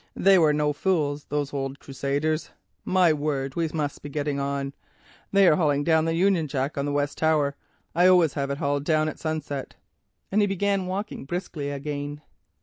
They were no fools, those old crusaders. My word, we must be getting on. They are hauling down the Union Jack on the west tower. I always have it hauled down at sunset," and he began walking briskly again.